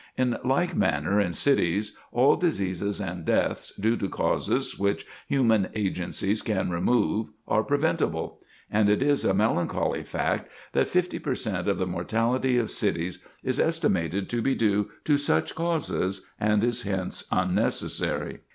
In like manner in cities, all diseases and deaths due to causes which human agencies can remove are preventable. And it is a melancholy fact that fifty per cent of the mortality of cities is estimated to be due to such causes, and is hence unnecessary.